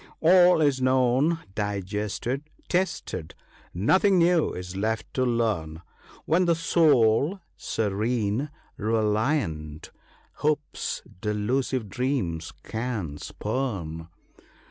" All is known, digested, tested ; nothing new is left to learn When the soul, serene, reliant, Hope's delusive dreams can spurn."